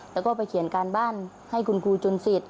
แล้วก็ไปเขียนการบ้านให้คุณครูจนเสร็จ